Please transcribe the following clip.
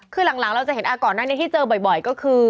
คือหลังเราจะเห็นก่อนหน้านี้ที่เจอบ่อยก็คือ